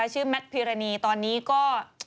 ชื่อแมทพีรานีตอนนี้ก็